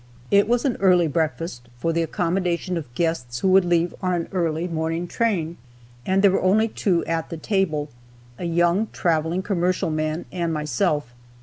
It was an early breakfast, for the accommodation of guests who would leave on an early morning train, and there were only two at the table, a young traveling commercial man and myself.